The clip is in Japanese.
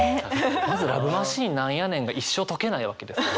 まず「ＬＯＶＥマシーン」何やねんが一生解けないわけですよね。